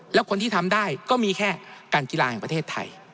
แล้วคนที่ทำได้ก็มีแค่การกีฬาแห่งประเทศไทย